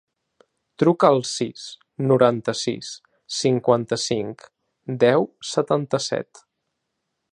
Truca al sis, noranta-sis, cinquanta-cinc, deu, setanta-set.